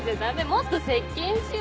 もっと接近しよう。